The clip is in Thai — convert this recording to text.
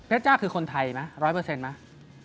เพชรจ้าคือคนไทยไหมร้อยเปอร์เซ็นต์ไหม